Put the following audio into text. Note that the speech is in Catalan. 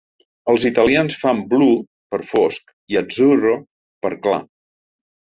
Els italians fan "blu" pel fosc i "azzuro" pel clar.